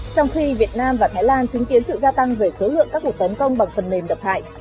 trong khi việt nam và thái lan chứng kiến sự gia tăng về số lượng các cuộc tấn công bằng phần mềm độc hại